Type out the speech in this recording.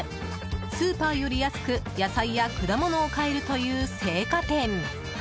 スーパーより安く野菜や果物を買えるという青果店。